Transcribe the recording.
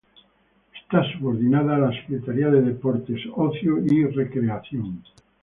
Está subordinada a la Secretaría de Deportes, Ocio y Recreación.